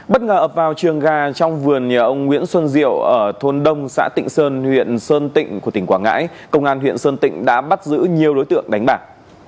bất ngờ ập vào trường gà trong vườn nhà ông nguyễn xuân diệu ở thôn đông xã tịnh sơn huyện sơn tịnh của tỉnh quảng ngãi công an huyện sơn tịnh đã bắt giữ nhiều đối tượng đánh bạc